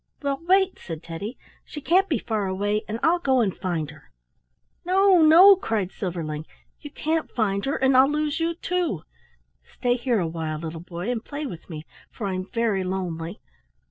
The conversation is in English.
"Well, wait!" said Teddy. "She can't be far away and I'll go and find her." "No, no!" cried Silverling. "You can't find her, and I'll lose you too. Stay here awhile, little boy, and play with me, for I'm very lonely.